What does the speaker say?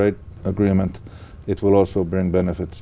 nhưng chúng ta có rất nhiều khác biệt